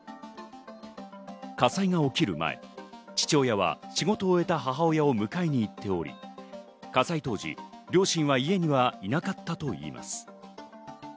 火災が起きる前、父親は仕事を終えた母親を迎えに行っており、火災当時、両親は家にはいなかったといいます。